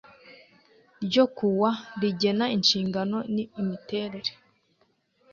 ryo kuwa rigena inshingano imiterere